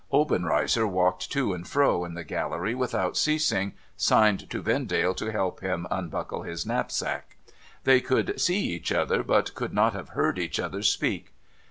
Obenreizer, walking to and fro in the gallery without ceasing, signed to Vendale to help him unbuckle his knapsack. They could see each other, but could not have heard each other speak.